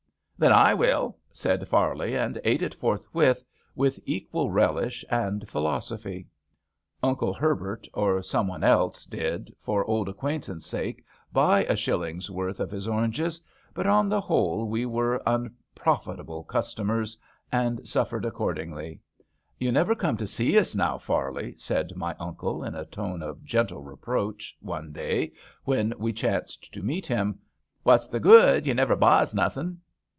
"Then I will," said Farley, and ate it forthwith with equal relish and philosophy. Uncle Herbert or some one else did, for old acquaintance' sake, buy a shilling's worth of his oranges, but on the whole we were 32 MR. FARLEY unprofitable customers and sufFered accord ingly. "You never come to see us now, Farley," said my Uncle in a tone of gentle reproach one day when we chanced to meet him. " What's the good : you never buys nothin."